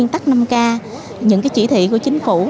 tham ca những cái chỉ thị của chính phủ